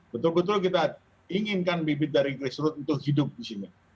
betul betul kita inginkan bibit dari grace roots untuk hidup di sini